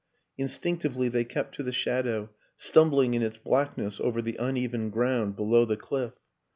Instinctively they kept to the shadow, stumbling in its blackness over the uneven ground below the cliff.